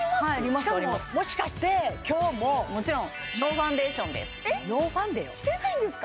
しかももしかして今日ももちろんノーファンデーションですノーファンデよしてないんですか？